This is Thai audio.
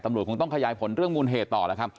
คงต้องขยายผลเรื่องมูลเหตุต่อแล้วครับ